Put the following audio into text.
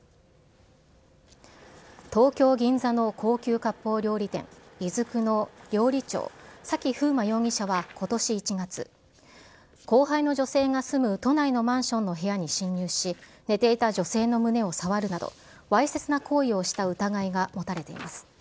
東京・銀座の高級かっぽう料理店、いづくの料理長、埼楓真容疑者はことし１月、後輩の女性が住む都内のマンションの部屋に侵入し、寝ていた女性の胸を触るなど、わいせつな行為をした疑いが持たれています。